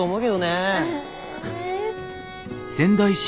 え。